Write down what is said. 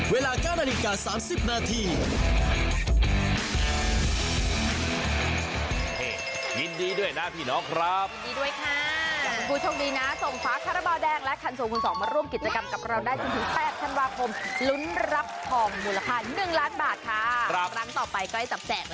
เวลาการณีการ๓๐นาที